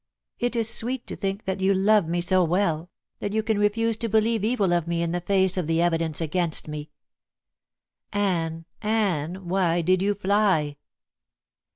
"It is sweet to think that you love me so well, that you can refuse to believe evil of me in the face of the evidence against me." "Anne, Anne, why did you fly?"